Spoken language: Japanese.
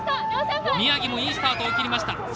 宮城もいいスタートを切りました。